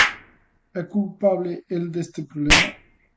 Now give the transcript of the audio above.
¿É culpable el deste problema?